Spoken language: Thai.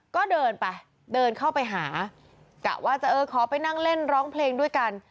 ก็เดินไปเดินเข้าไปหากะว่าจะเออขอไปนั่งเล่นร้องเพลงด้วยกัน